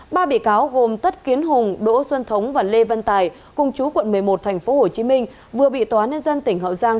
ba bị cáo gồm tất kiến hùng đỗ xuân thống và lê văn tài cùng chú quận một mươi một tp hcm vừa bị tòa nhân dân tỉnh hậu giang